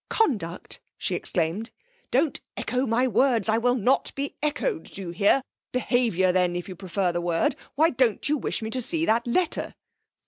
'Conduct!' she exclaimed. 'Don't echo my words! I will not be echoed, do you hear?... Behaviour, then, if you prefer the word.... Why don't you wish me to see that letter?'